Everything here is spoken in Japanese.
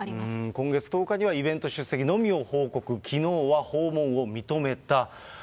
今月１０日にはイベント出席のみを報告、きのうは訪問を認めた。